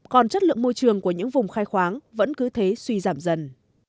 còn chất lượng môi trường của những vùng khai khoáng vẫn cứ thế suy giảm dần